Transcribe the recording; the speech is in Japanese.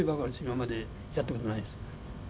今までやった事ないです」